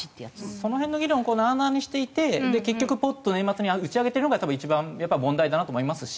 その辺の議論をなあなあにしていて結局ポッと年末に打ち上げてるのが多分一番問題だなと思いますし。